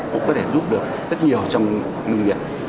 cũng có thể giúp được rất nhiều trong nông nghiệp